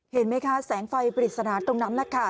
เห็นไหมคะแสงไฟปริศนาตรงนั้นแหละค่ะ